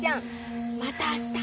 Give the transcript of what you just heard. またあした。